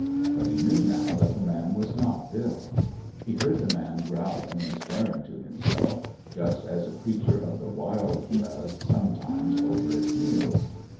But he knew now that the man was not Bill. He heard the man growling and swearing to himself, just as a creature of the wild does sometimes over its meals.